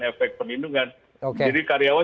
efek perlindungan jadi karyawan